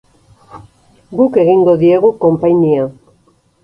Guk egingo diegu konpainia.